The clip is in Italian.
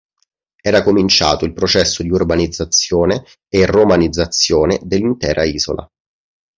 Era cominciato il processo di urbanizzazione e romanizzazione dell'intera isola.